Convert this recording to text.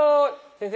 先生？